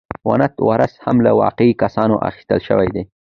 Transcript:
وُنت وُرث هم له واقعي کسانو اخیستل شوی و.